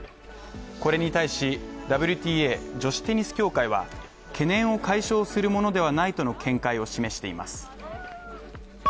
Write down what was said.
これに対し、ＷＴＡ＝女子テニス協会は懸念を解消するものではないとの見解を示しています。